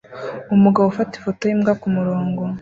Umugabo ufata ifoto yimbwa kumurongo